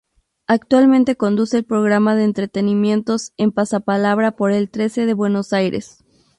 Actualmente conduce el programa de entretenimientos en "Pasapalabra" por eltrece de Buenos Aires.